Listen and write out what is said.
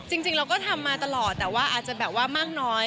จริงเราก็ทำมาตลอดแต่ว่าอาจจะแบบว่ามากน้อย